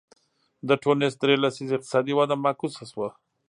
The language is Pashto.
د ټونس درې لسیزې اقتصادي وده معکوسه شوه.